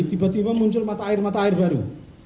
tiba tiba muncul mata air mata air baru